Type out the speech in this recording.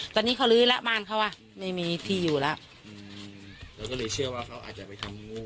ตอนนี้เขาลื้อแล้วบ้านเขาอ่ะไม่มีที่อยู่แล้วอืมเราก็เลยเชื่อว่าเขาอาจจะไปทำงู